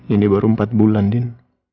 ini baru empat bulan din